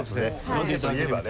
ロケといえばね。